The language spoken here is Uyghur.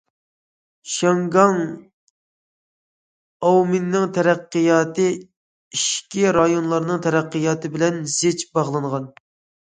شياڭگاڭ، ئاۋمېننىڭ تەرەققىياتى ئىچكى رايونلارنىڭ تەرەققىياتى بىلەن زىچ باغلانغان.